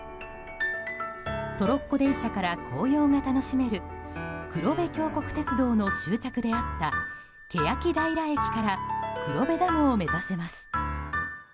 トロッコ電車から紅葉が楽しめる黒部峡谷鉄道の終着であった欅平駅から黒部ダムを目指せます。